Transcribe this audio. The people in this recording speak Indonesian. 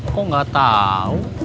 kok gak tau